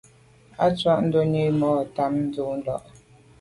A tshùa ndonni nwù tat mba dum tà là.